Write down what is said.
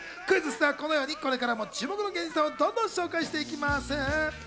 クイズッスではこのようにこれからも注目の芸人さんをどんどん紹介していきます。